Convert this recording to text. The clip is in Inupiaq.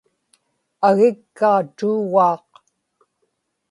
agikkaa tuugaaq